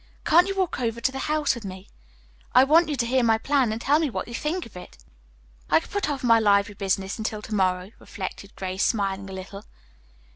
"Can't you walk over to the house with me? I want you to hear my plan and tell me what you think of it." "I could put off my library business until to morrow," reflected Grace, smiling a little.